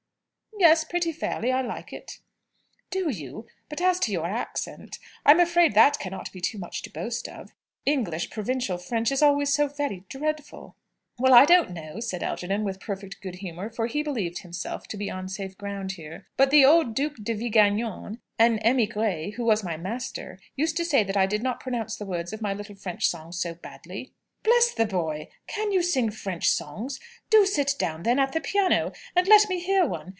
"Yes; pretty fairly. I like it." "Do you? But, as to your accent I'm afraid that cannot be much to boast of. English provincial French is always so very dreadful." "Well, I don't know," said Algernon, with perfect good humour, for he believed himself to be on safe ground here; "but the old Duc de Villegagnon, an émigré, who was my master, used to say that I did not pronounce the words of my little French songs so badly." "Bless the boy! Can you sing French songs? Do sit down, then, at the piano, and let me hear one!